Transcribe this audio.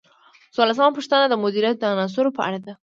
څوارلسمه پوښتنه د مدیریت د عناصرو په اړه ده.